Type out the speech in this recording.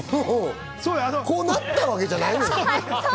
こうなったわけじゃないの。